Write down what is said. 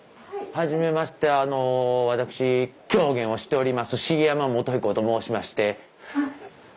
はじめまして私狂言をしております茂山宗彦と申しまして。